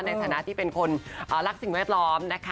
ในฐานะที่เป็นคนรักสิ่งแวดล้อมนะคะ